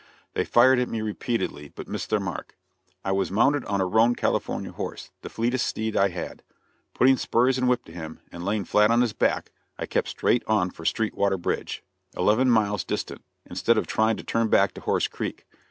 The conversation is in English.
They fired at me repeatedly, but missed their mark. I was mounted on a roan California horse the fleetest steed I had. Putting spurs and whip to him, and lying flat on his back, I kept straight on for Sweetwater Bridge eleven miles distant instead of trying to turn back to Horse Creek.